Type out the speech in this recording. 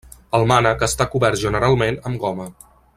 El mànec està cobert generalment amb goma.